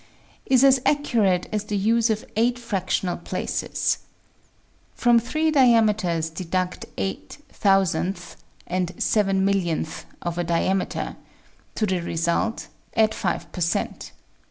is as accurate as the use of eight fractional places: From three diameters deduct eight thousandths and seven millionths of a diameter ; to the result, add five per cent.